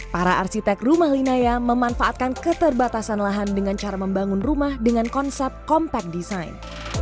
para arsitek rumah linaya memanfaatkan keterbatasan lahan dengan cara membangun rumah dengan konsep compact design